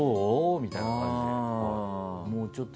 みたいな感じで。